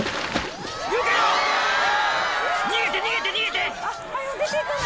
逃げて逃げて逃げて。